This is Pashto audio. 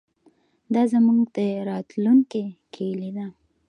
دا زموږ د راتلونکي کلي ده.